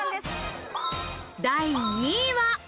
第２位は。